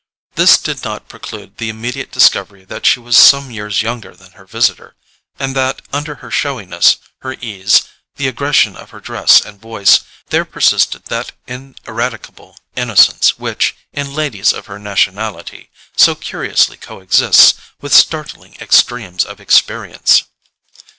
This did not preclude the immediate discovery that she was some years younger than her visitor, and that under her showiness, her ease, the aggression of her dress and voice, there persisted that ineradicable innocence which, in ladies of her nationality, so curiously coexists with startling extremes of experience.